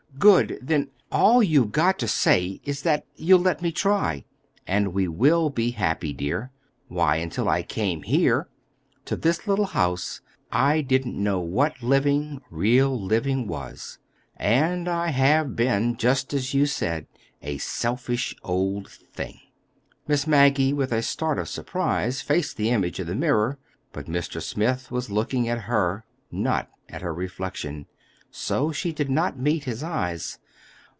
"Good! Then all you've got to say is that you'll let me try. And we will be happy, dear! Why, until I came here to this little house, I didn't know what living, real living, was. And I have been, just as you said, a selfish old thing." Miss Maggie, with a start of surprise, faced the image in the mirror; but Mr. Smith was looking at her, not at her reflection, so she did not meet his ayes.